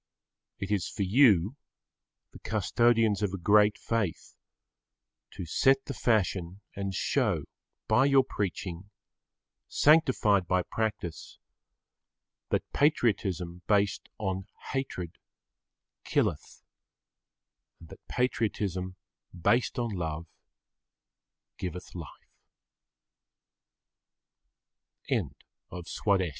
It is for you, the custodians of a great faith, to set the fashion and show, by your preaching, sanctified by practice, that patriotism based on hatred "killeth" and that patriotism based on love "giveth